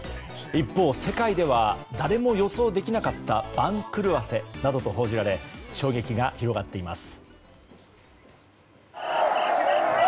一方、世界では誰も予想できなかった番狂わせなどと報じられ衝撃が広がっています。